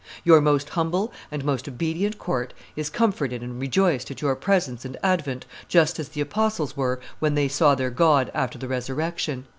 Your most humble and most obedient court is comforted and rejoiced at your presence and advent, just as the apostles were when they saw their God after the resurrection.